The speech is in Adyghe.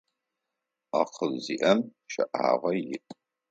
Акъыл зиӏэм щэӏагъэ иӏ.